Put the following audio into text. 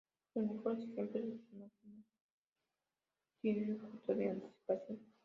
Los mejores ejemplos de sus máquinas tienen un factor de anticipación.